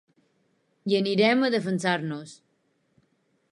Hi anirem a defensar-nos.